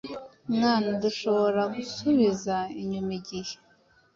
Mwana, dushobora gusubiza inyuma igihe